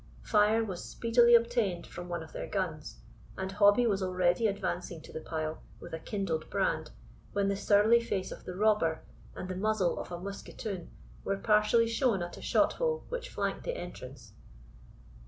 Fire was speedily obtained from one of their guns, and Hobbie was already advancing to the pile with a kindled brand, when the surly face of the robber, and the muzzle of a musquetoon, were partially shown at a shot hole which flanked the entrance.